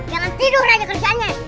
jangan tidur saja kerjaannya